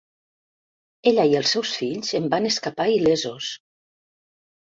Ella i els seus fills en van escapar il·lesos.